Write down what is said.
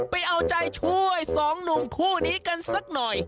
ไปเอาใจช่วยสองหนุ่มคู่นี้กันสักหน่อย